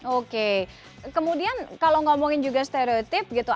oke kemudian kalau ngomongin juga stereotip gitu